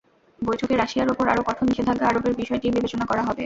বৈঠকে রাশিয়ার ওপর আরও কঠোর নিষেধাজ্ঞা আরোপের বিষয়টি বিবেচনা করা হবে।